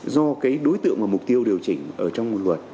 do cái đối tượng và mục tiêu điều chỉnh ở trong nguồn luật